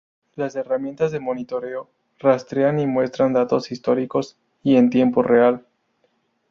Las herramientas de monitoreo rastrean y muestran datos históricos y en tiempo real.